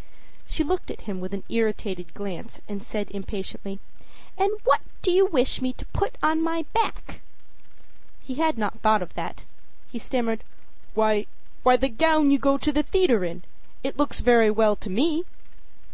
â She looked at him with an irritated glance and said impatiently: âAnd what do you wish me to put on my back?â He had not thought of that. He stammered: âWhy, the gown you go to the theatre in. It looks very well to me.